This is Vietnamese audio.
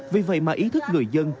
vì vậy mà ý thức người dân